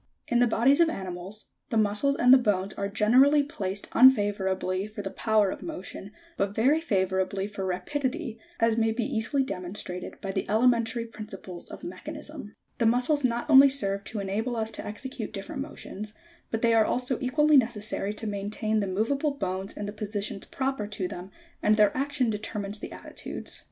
In the bodies of animals, the muscles and the bones are generally placed unfavourably for the power of motion, but very favourably for rapidity, as may be easily demonstrated by the elementary principles of mechanism. 71. The muscles not only serve to enable us to execute dif ferent motions, but they are also equally necessary to maintain the moveable bones in the positions proper to them, and their action determines the attitudes.